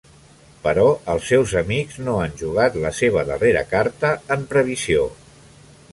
Però els meus amics no han jugat la seva darrera carta en previsió.